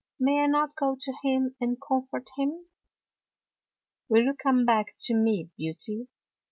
May I not go to him and comfort him? "" Will you come back to me. Beauty?